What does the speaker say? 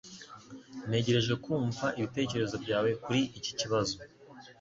Ntegereje kumva ibitekerezo byawe kuri iki kibazo